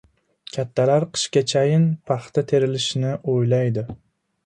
Kattalar qishgachayin paxta terilishni o‘yladi!